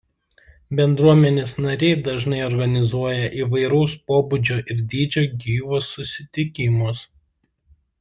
Bendruomenės nariai dažnai organizuoja įvairaus pobūdžio ir dydžio gyvus susitikimus.